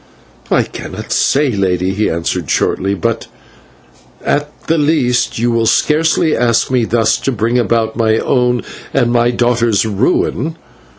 "I cannot say, Lady," he answered shortly, "but at the least you will scarcely ask me thus to bring about my own and my daughter's ruin.